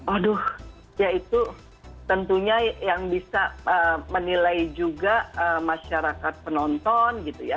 aduh ya itu tentunya yang bisa menilai juga masyarakat penonton gitu ya